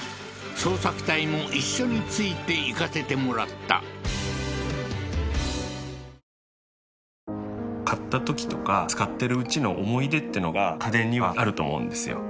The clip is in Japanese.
捜索隊も一緒についていかせてもらった買ったときとか使ってるうちの思い出ってのが家電にはあると思うんですよ。